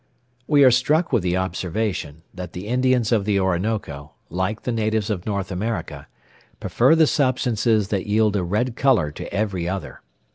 We are struck with the observation, that the Indians of the Orinoco, like the natives of North America, prefer the substances that yield a red colour to every other.